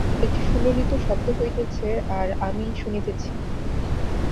একটি সুললিত শব্দ হইতেছে, আর আমি শুনিতেছি।